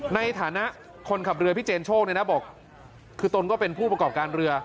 ในฐานะคนขับเรือพี่เจนโชคเนี่ยนะบอกคือตนก็เป็นผู้ประกอบการเรือ